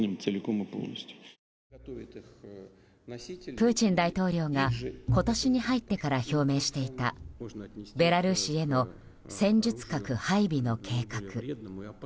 プーチン大統領が今年に入ってから表明していたベラルーシへの戦術核配備の計画。